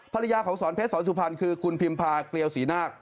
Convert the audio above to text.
ภรรยาของสอนเพชรสอนสุพรรณคือคุณพิมพาเกลียวศรีนาค